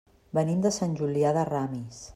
Venim de Sant Julià de Ramis.